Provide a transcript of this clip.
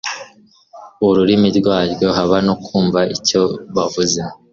ururimi rwaryo haba no kumva icyo bavuga